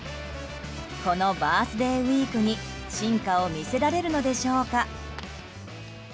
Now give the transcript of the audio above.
このバースデーウィークに真価を見せられるのでしょうか。